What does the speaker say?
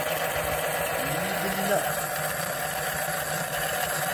لیوبلیانا